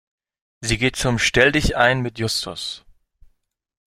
Sie geht zum Stelldichein mit Justus.